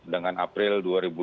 dengan april dua ribu dua puluh